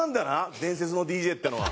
伝説のＤＪってのは。